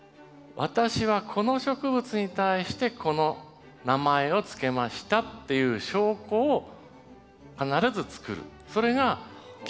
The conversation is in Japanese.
私はこの植物に対してこの名前を付けましたっていう証拠を必ず作る。